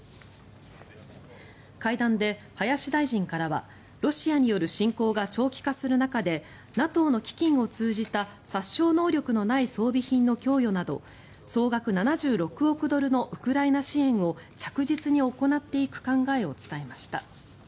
会談で林大臣からはロシアによる侵攻が長期化する中でＮＡＴＯの基金を通じた殺傷能力のない装備品の供与など総額７６億ドルのウクライナ支援を着実に行っていく考えを伝えました。